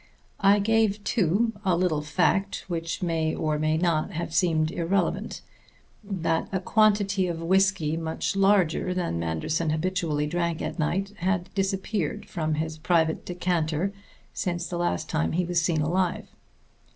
I gave, too, a little fact which may or may not have seemed irrelevant: that a quantity of whisky much larger than Manderson habitually drank at night had disappeared from his private decanter since the last time he was seen alive.